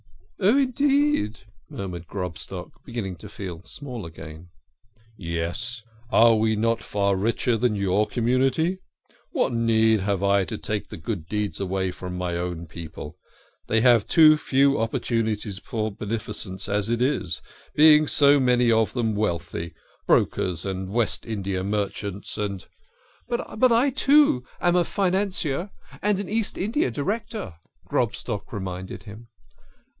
" Oh, indeed !" murmured Grobstock, beginning to feel small again. "Yes are we not far richer than your community? What need have I to take the good deeds away from my own people they have too few opportunities for benefi cence as it is, being so many of them wealthy ; brokers and West India merchants, and "" But I, too, am a financier, and an East India Director," Grobstock reminded him.